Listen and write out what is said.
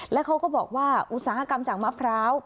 แล้วเขาก็บอกว่าอุตสาหกรรมจากมะพร้าว